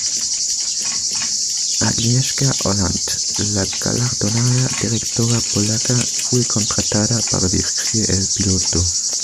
Agnieszka Holland, la galardonada directora polaca, fue contratada para dirigir el piloto.